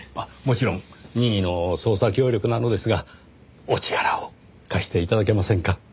もちろん任意の捜査協力なのですがお力を貸して頂けませんか？